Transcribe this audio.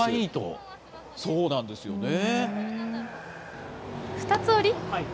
そうなんですよね。